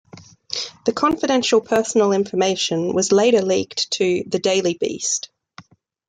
The confidential personal information was later leaked to "The Daily Beast".